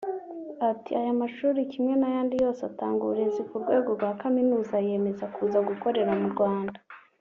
Ati “Aya mashuri kimwe n’andi yose atanga uburezi ku rwego rwa kaminuza yemeye kuza gukorera mu Rwanda